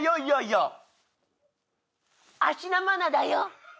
芦田愛菜だよ。